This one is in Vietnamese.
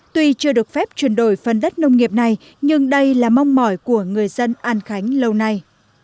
tuy chưa được phép chuyển đổi phần đất nông nghiệp này nhưng đây là mong mỏi của người dân an khánh lâu nay